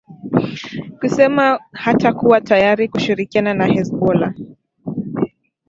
kusema hatakuwa tayari kushirikiana na hezbollah